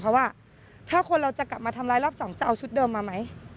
เพราะว่าถ้าคนเราจะกลับมาทำร้ายรอบ๒จะเอาชุดเดิมมาไหม